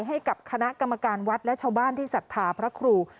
ให้กับคณะกรรมการวัดและชาวบ้านที่ศรัทธาพระครู